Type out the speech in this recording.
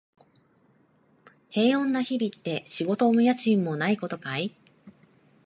平穏な日々って、仕事も家賃もないことかい？